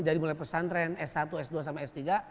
dari mulai pesantren s satu s dua sama s tiga